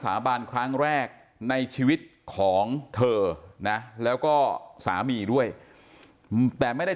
สาบานครั้งแรกในชีวิตของเธอนะแล้วก็สามีด้วยแต่ไม่ได้